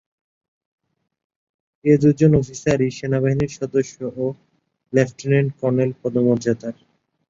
এ দুজন অফিসারই সেনাবাহিনীর সদস্য ও লেফটেন্যান্ট কর্নেল পদমর্যাদার।